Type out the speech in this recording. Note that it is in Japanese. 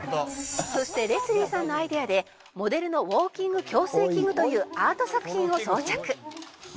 「そしてレスリーさんのアイデアでモデルのウォーキング矯正器具というアート作品を装着」